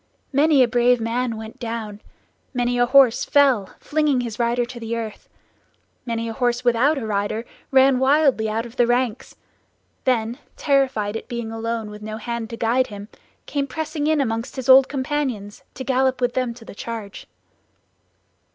Many a brave man went down, many a horse fell, flinging his rider to the earth; many a horse without a rider ran wildly out of the ranks; then terrified at being alone, with no hand to guide him, came pressing in among his old companions, to gallop with them to the charge.